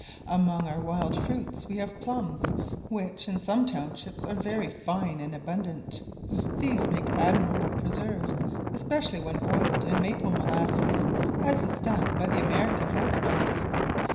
Among our wild fruits we have plums, which, in some townships, are very fine and abundant; these make admirable preserves, especially when boiled in maple molasses, as is done by the American housewives.